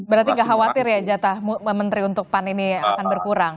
berarti nggak khawatir ya jatah menteri untuk pan ini akan berkurang